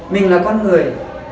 mình là con người